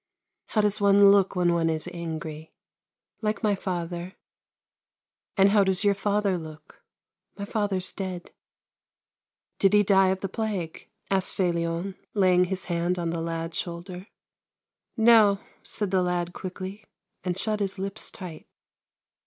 " How does one look when one is angry? "" Like my father." " And how does your father look ?" THERE WAS A LITTLE CITY 347 " My father's dead." " Did he die of the plague ?" asked Felion, laying his hand on the lad's shoulder. " No," said the lad quickly, and shut his lips tight.